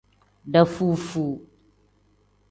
Dafuu-fuu.